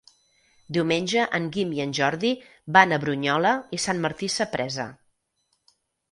Diumenge en Guim i en Jordi van a Brunyola i Sant Martí Sapresa.